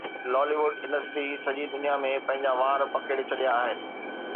لالي wood انڊسٽريءَ سڄي دنيا ۾ پنهنجا وار پکيڙي ڇڏيا آهن